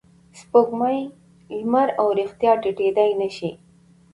سپوږمۍ، لمر او ریښتیا پټېدای نه شي.